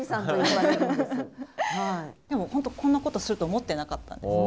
本当こんなことすると思ってなかったんです。